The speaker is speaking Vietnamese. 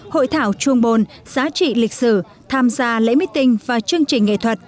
hội thảo trung bồn giá trị lịch sử tham gia lễ mít tình và chương trình nghệ thuật